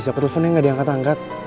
siapa telfonnya gak diangkat angkat